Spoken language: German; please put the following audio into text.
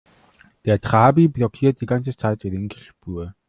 Der Trabi blockiert die ganze Zeit die linke Spur.